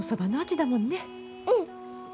うん！